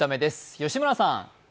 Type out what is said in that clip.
吉村さん。